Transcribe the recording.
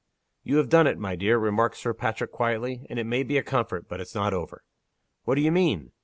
"You have done it, my dear," remarked Sir Patrick, quietly. "And it may be a comfort. But it's not over." "What do you mean?"